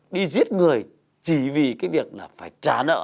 đi giết người chỉ vì cái việc là phải trả nợ